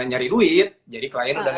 nyari duit jadi klien udah gak